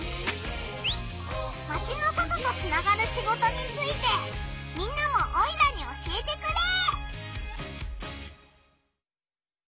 マチの外とつながるシゴトについてみんなもオイラに教えてくれ！